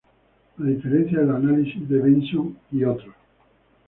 A diferencia del análisis de Benson "et al.